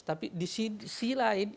tapi di sisi lainnya